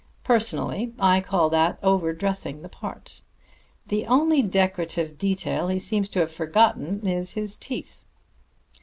Personally, I call that over dressing the part. The only decorative detail he seems to have forgotten is his teeth."